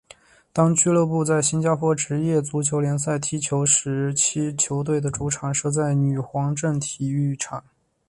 当俱乐部在新加坡职业足球联赛踢球时期球队的主场设在女皇镇体育场。